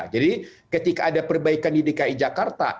jadi ketika ada perbaikan di dki jakarta